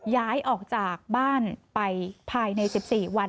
ย้ายออกจากบ้านไปภายใน๑๔วัน